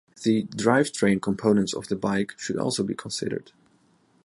The drivetrain components of the bike should also be considered.